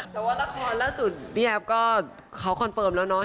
แต่ว่าละครล่าสุดพี่แอฟก็เขาคอนเฟิร์มแล้วเนาะ